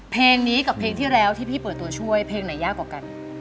เพลงนี้กับเพลงที่แล้วที่พี่เปิดตัวช่วยเพลงไหนยากกว่ากัน